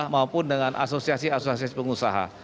maupun dengan asosiasi asosiasi pengusaha